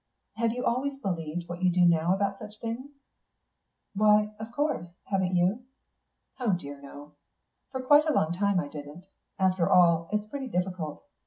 Have you always believed what you do now about such things?" "Why, of course. Haven't you?" "Oh dear no. For quite a long time I didn't. After all, it's pretty difficult....